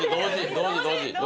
同時、同時。